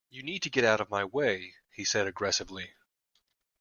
You need to get out of my way! he said aggressively